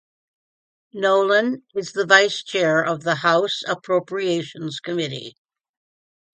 Nolan is the vice chair of the House Appropriations Committee.